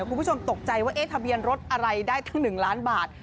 คุณผู้ชมตกใจว่าทะเบียนรถอะไรได้ตั้ง๑ล้านบาท